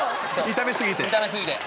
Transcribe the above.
炒め過ぎて。